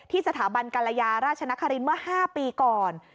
สถาบันกรยาราชนครินทร์เมื่อ๕ปีก่อน